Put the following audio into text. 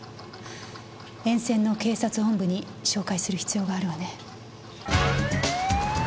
沿線の警察本部に照会する必要があるわね。